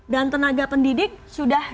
dan tenaga pendidik sudah